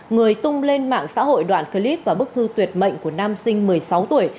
người tung lên mạng xã hội đoạn clip và bức thư tuyệt mệnh của nam sinh một mươi sáu tuổi